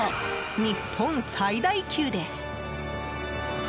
日本最大級です！